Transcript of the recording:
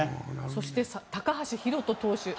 そして高橋宏斗投手